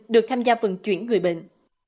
được tham gia vận chuyển người bệnh